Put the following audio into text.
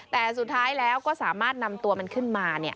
แต่สุดท้ายแล้วก็สามารถนำตัวมันขึ้นมา